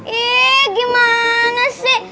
ih gimana sih